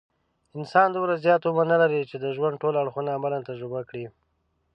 انسان دومره زیات عمر نه لري، چې د ژوند ټول اړخونه عملاً تجربه کړي.